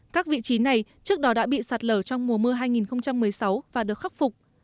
các vị trí này trước đó đã bị sạt lở trong mùa mưa hai nghìn một mươi sáu và được khắc phục